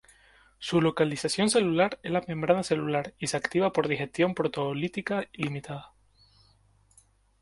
Su localización celular es la membrana celular y se activa por digestión proteolítica limitada.